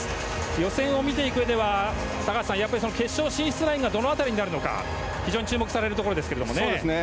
予選を見ていくうえでは高橋さん、決勝進出ラインがどの辺りになるのかが非常に注目されるところですね。